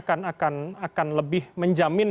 akan lebih menjamin